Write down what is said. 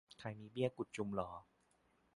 ใครมีเบี้ยกุดชุมลอ